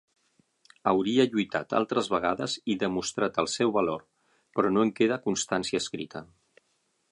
Hauria lluitat altres vegades i demostrat el seu valor però no en queda constància escrita.